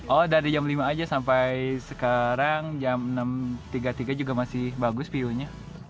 oh dari jam lima aja sampai sekarang jam enam tiga puluh tiga juga masih bagus view nya